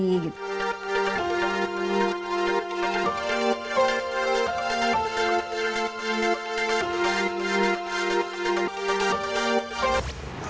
saya harus berkarya untuk menjaga kekuasaan masyarakat di indonesia